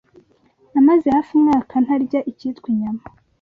Namaze hafi umwaka ntarya icyitwa inyama.